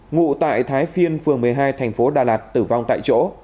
ngụ tại thái phiên phường một mươi hai tp đà lạt tử vong tại chỗ